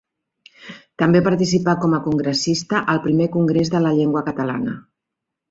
També participà com a Congressista al Primer Congrés de la Llengua Catalana.